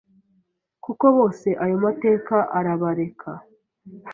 koko bose ayo mateka arabareka